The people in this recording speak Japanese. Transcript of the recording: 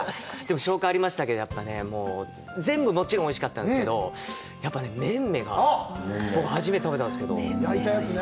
紹介がありましたけど、全部もちろんおいしかったんですけど、やっぱりメンメ、僕、初めて食べたんですけど、焼いたやつね。